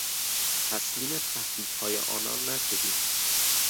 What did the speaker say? تسلیم تهدیدهای آنان نشدیم.